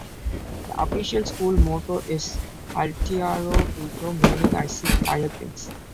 The official school motto is "Altiora Peto", meaning "I Seek Higher Things".